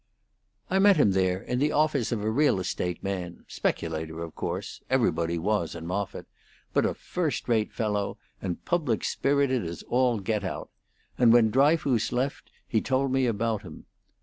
"I met him there in the office of a real estate man speculator, of course; everybody was, in Moffitt; but a first rate fellow, and public spirited as all get out; and when Dryfoos left he told me about him.